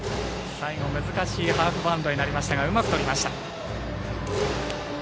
最後、難しいハーフバウンドになりましたがうまくとりました。